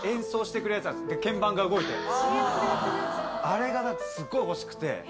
あれがすっごい欲しくて。